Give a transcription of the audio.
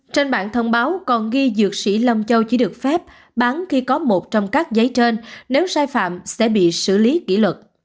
trên bản thông báo còn ghi dược sĩ lâm châu chỉ được phép bán khi có một trong các giấy trên nếu sai phạm sẽ bị xử lý kỷ luật